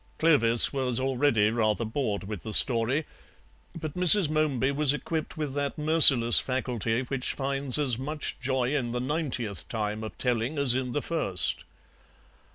Clovis was already rather bored with the story, but Mrs. Momeby was equipped with that merciless faculty which finds as much joy in the ninetieth time of telling as in the first.